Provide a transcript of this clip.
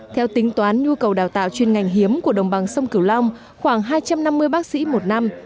theo tính toán nhu cầu đào tạo chuyên ngành hiếm của đồng bằng sông cửu long khoảng hai trăm năm mươi bác sĩ một năm